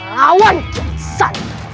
lawan kian santa